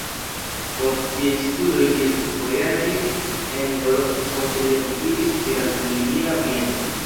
Post siaj studoj li studvojaĝis en Eŭropo, poste li okupiĝis pri la familia bieno.